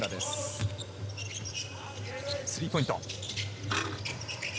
スリーポイント。